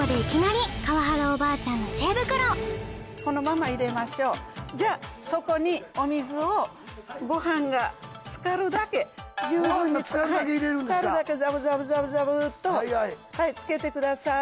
ここでいきなりこのまま入れましょうじゃあそこにお水をご飯が浸かるだけ十分に浸かるだけザブザブザブザブとはい浸けてください